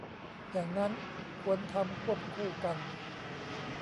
อย่างนั้นควรทำควบคู่กัน